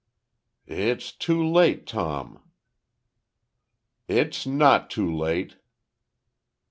"It's too late, Tom!" "It's not too late!"